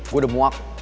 gue udah muak